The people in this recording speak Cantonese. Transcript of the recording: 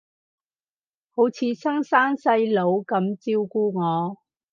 好似親生細佬噉照顧我